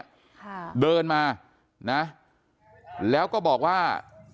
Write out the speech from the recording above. ค่ะเดินมานะแล้วก็บอกว่า